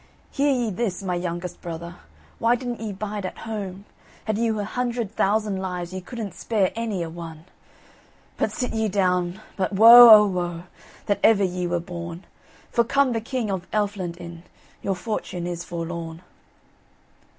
"Hear ye this, my youngest brother, Why didn't ye bide at home? Had you a hundred thousand lives Ye couldn't spare any a one. "But sit ye down; but woe, O, woe, That ever ye were born, For come the King of Elfland in, Your fortune is forlorn."